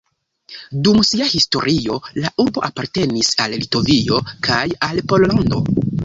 Dum sia historio la urbo apartenis al Litovio kaj al Pollando.